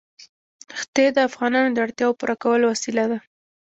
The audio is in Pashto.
ښتې د افغانانو د اړتیاوو د پوره کولو وسیله ده.